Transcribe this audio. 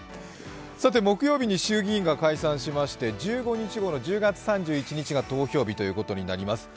木曜日に衆議院が解散しまして１５日後の１０月３１日が投票日ということになります。